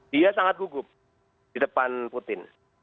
dia sangat gugup di depan putin